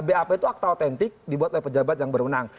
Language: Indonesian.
bap itu akta otentik dibuat oleh pejabat yang berwenang